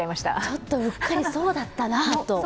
ちょっとうっかりそうだったなと。